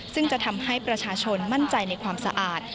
ซึ่งจะทำให้ประชาชนมั่นใจในความสะอาด